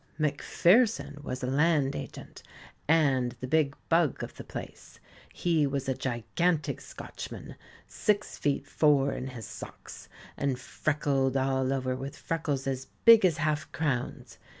Macpherson was a Land Agent, and the big bug of the place. He was a gigantic Scotchman, six feet four in his socks, and freckled all over with freckles as big as half crowns.